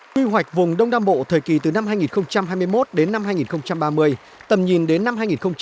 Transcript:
quy hoạch vùng đông nam bộ thời kỳ từ năm hai nghìn hai mươi một đến năm hai nghìn ba mươi tầm nhìn đến năm hai nghìn năm mươi